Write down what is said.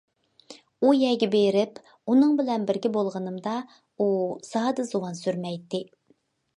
ئۇ يەرگە بېرىپ ئۇنىڭ بىلەن بىرگە بولغىنىمدا، ئۇ زادى زۇۋان سۈرمەيتتى.